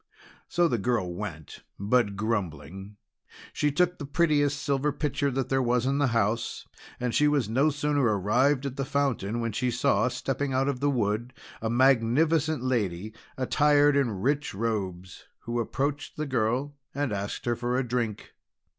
So the girl went, but grumbling. She took the prettiest silver pitcher that there was in the house; and she was no sooner arrived at the fountain than she saw, stepping out of the wood, a magnificent lady attired in rich robes. She approached the girl and asked her for a drink.